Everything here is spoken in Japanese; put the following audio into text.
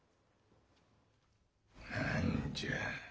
何じゃ。